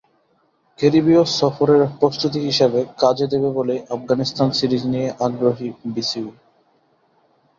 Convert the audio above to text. ক্যারিবীয় সফরের প্রস্তুতি হিসেবে কাজে দেবে বলেই আফগানিস্তান সিরিজ নিয়ে আগ্রহী বিসিবি।